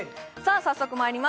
早速まいります。